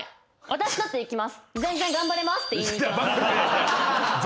私だって行きます。